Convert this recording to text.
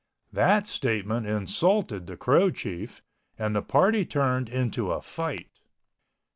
That statement insulted the Crow chief and the party turned into a fight.